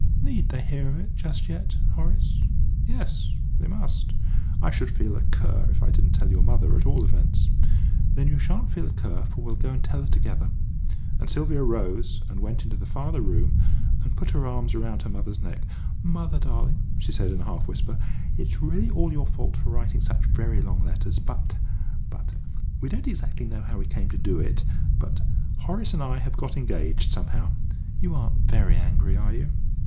"Need they hear of it just yet, Horace?" "Yes, they must. I should feel a cur if I didn't tell your mother, at all events." "Then you shan't feel a cur, for we'll go and tell her together." And Sylvia rose and went into the farther room, and put her arms round her mother's neck. "Mother darling," she said, in a half whisper, "it's really all your fault for writing such very long letters, but but we don't exactly know how we came to do it but Horace and I have got engaged somehow. You aren't very angry, are you?"